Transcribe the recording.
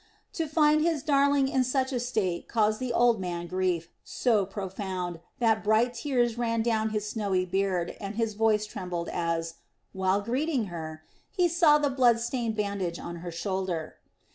To find his darling in such a state caused the old man grief so profound that bright tears ran down upon his snowy beard and his voice trembled as, while greeting her, he saw the blood stained bandage on her shoulder.